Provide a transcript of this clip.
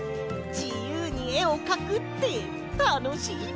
じゆうにえをかくってたのしいね！